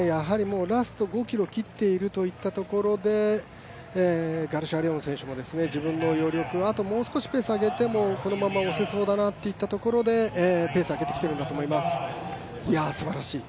ラスト５ｋｍを切っているところでガルシア・レオン選手も自分の余力、あともう少しペース上げてもこのまま押せそうだなというところでペース上げてきてるんだと思います、すばらしい。